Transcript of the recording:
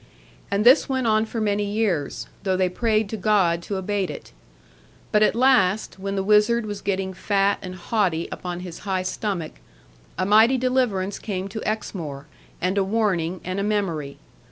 And this went on for many years; though they prayed to God to abate it. But at last, when the wizard was getting fat and haughty upon his high stomach, a mighty deliverance came to Exmoor, and a warning, and a memory.